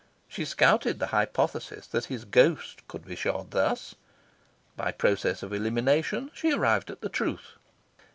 She scouted the hypothesis that his ghost could be shod thus. By process of elimination she arrived at the truth.